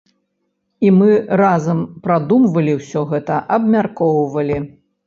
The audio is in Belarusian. І мы разам прадумвалі ўсё гэта, абмяркоўвалі.